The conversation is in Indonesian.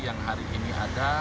yang hari ini ada